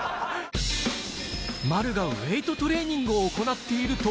丸がウエートトレーニングを行っていると。